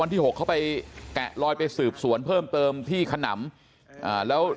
ที่๖เขาไปแกะลอยไปสืบสวนเพิ่มเติมที่ขนำแล้ว